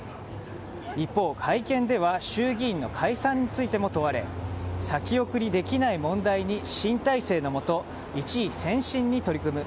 一方、会見では衆議院の解散についても問われ先送りできない問題に新体制の下一意専心に取り組む。